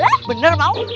yang perlu dua orang cantik